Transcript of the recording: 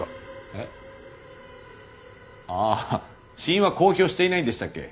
えっ？ああ死因は公表していないんでしたっけ？